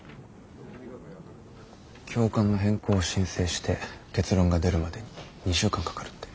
教官の変更を申請して結論が出るまでに２週間かかるって。